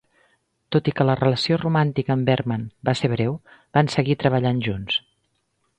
Tot i que la relació romàntica amb Bergman va ser breu, van seguir treballant junts.